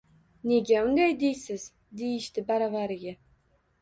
-Nega unday deysiz? – deyishdi baravariga.